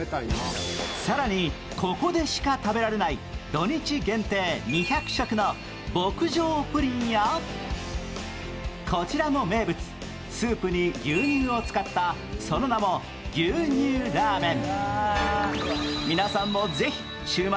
更にここでしか食べられない土日限定２００食の牧場プリンや、こちらも名物、スープに牛乳を使った、その名も牛乳ラーメン。